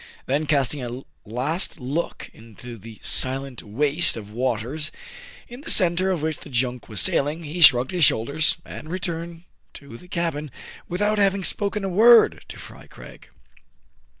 Then casting a last look into the silent waste of waters, in the centre of which the junk was sail ing, he shrugged his shoulders, and returned to the cabin, without having spoken a word to Fry Craig.